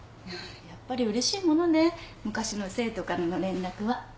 やっぱりうれしいものね昔の生徒からの連絡は。